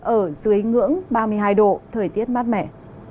ở dưới ngưỡng ba mươi hai độ thời tiết mát mẻ